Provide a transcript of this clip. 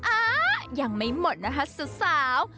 อ่ะอ่ะอ่ะอ่ะยังไม่หมดนะฮะสุดสาว